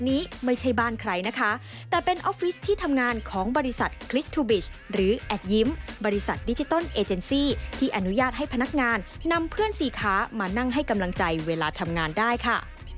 นำเพื่อนสี่ค้ามานั่งให้กำลังใจเวลาทำงานได้ค่ะ